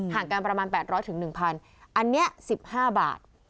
ห่างกันประมาณ๘๐๐๑๐๐อันนี้๑๕บาท